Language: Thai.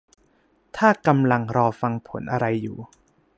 ถ้ากำลังรอฟังผลอะไรอยู่